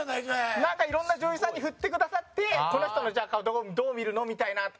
なんか、いろんな女優さんに振ってくださってこの人の顔、どう見るの？みたいな展開とか。